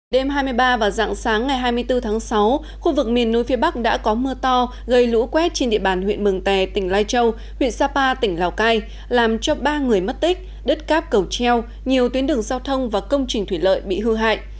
đêm hai mươi ba và dạng sáng ngày hai mươi bốn tháng sáu khu vực miền núi phía bắc đã có mưa to gây lũ quét trên địa bàn huyện mường tè tỉnh lai châu huyện sapa tỉnh lào cai làm cho ba người mất tích đất cáp cầu treo nhiều tuyến đường giao thông và công trình thủy lợi bị hư hại